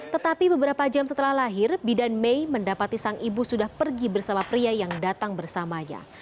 tetapi beberapa jam setelah lahir bidan mei mendapati sang ibu sudah pergi bersama pria yang datang bersamanya